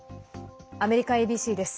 アメリカＡＢＣです。